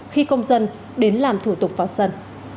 khi công dân đến làm thủ tục vào sân